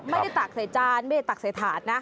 ตักใส่จานไม่ได้ตักใส่ถาดนะ